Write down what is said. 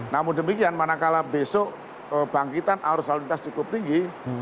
namun demikian manakala besok bangkitan arus lalu lintas cukup tinggi